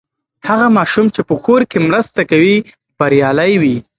هغه ماشوم چې په کور کې مرسته کوي، بریالی وي.